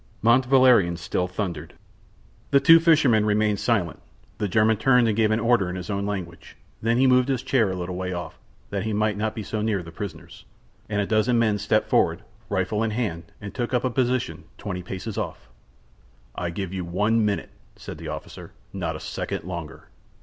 Mont Valerien still thundered. The two fishermen remained silent. The German turned and gave an order in his own language. Then he moved his chair a little way off, that he might not be so near the prisoners, and a dozen men stepped forward, rifle in hand, and took up a position, twenty paces off. "I give you one minute," said the officer; "not a second longer."